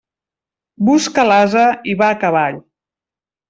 Busca l'ase, i va a cavall.